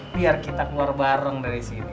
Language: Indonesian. biar kita keluar bareng dari sini